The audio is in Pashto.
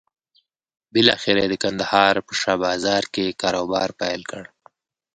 بالاخره یې د کندهار په شا بازار کې کاروبار پيل کړ.